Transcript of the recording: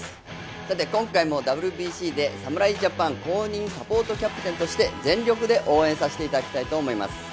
さて今回もＷＢＣで侍ジャパン公認サポートキャプテンとして全力で応援させていただきたいと思います。